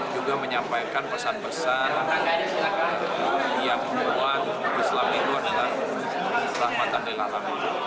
juga menyampaikan pesan pesan yang membuat islam hidup dalam rahmatan dan alam